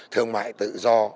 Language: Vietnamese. thương mại tự do